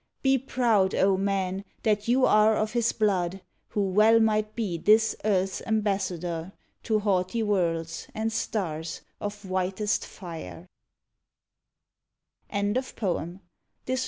Be proud, O men! that you are of his blood, Who well might be this earth s ambassador To haughty worlds and stars of whitest fire.